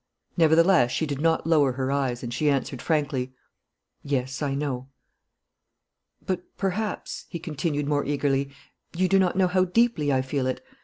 Nevertheless, she did not lower her eyes, and she answered frankly: "Yes, I know." "But, perhaps," he continued, more eagerly, "you do not know how deeply I feel it?